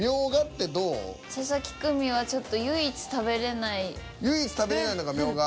佐々木久美はちょっと唯一食べれないのがミョウガ？